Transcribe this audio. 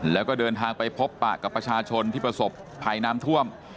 แล้วก็เดินทางไปพบปากกับประชาชนที่ประสบภัยน้ำท่วม